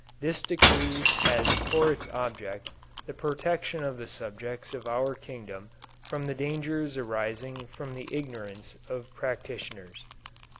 This decree has for its object the protection of the subjects of our kingdom from the dangers arising from the ignorance of practitioners."